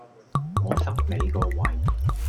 我塞你個胃!